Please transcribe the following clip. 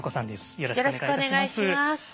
よろしくお願いします。